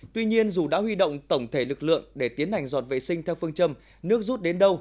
tuy nhiên dù đã huy động tổng thể lực lượng để tiến hành dọn vệ sinh theo phương châm nước rút đến đâu